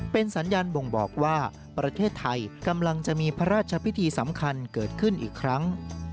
เป็นสัญญาณบ่งบอกว่าประเทศไทยกำลังจะมีพระราชพิธีสำคัญเกิดขึ้นอีกครั้ง